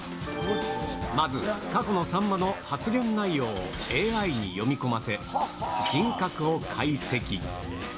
まず、過去のさんまの発言内容をＡＩに読み込ませ、人格を解析。